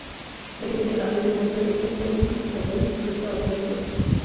পৃথিবীতে কাফিরদের মধ্য থেকে কোন ঘরের লোককে অব্যাহতি দিও না।